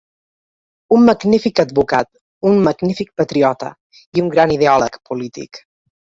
Un magnífic advocat, un magnífic patriota i un gran ideòleg polític.